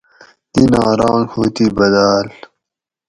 نِناں رانگ ہُو تھی بداۤل